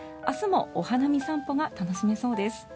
明日もお花見散歩が楽しめそうです。